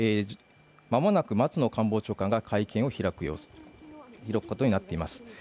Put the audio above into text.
間もなく松野官房長官が会見を開くことになっています。